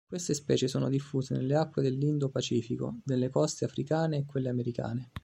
Queste specie sono diffuse nelle acque dell'Indo-Pacifico, dalle coste africane a quelle americane.